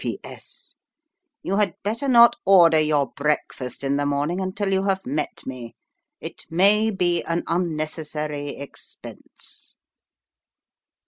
" PPS. You had better not order your breakfast in the morning until you have met me. It may be an unnecessary expense."